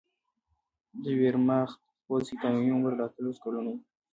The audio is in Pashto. د ویرماخت په پوځ کې قانوني عمر له اتلسو کلونو و